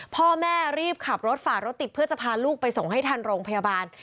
พ่อแม่รีบขับรถฝ่ารถติดเพื่อจะพาลูกไปส่งให้ทันโรงพยาบาล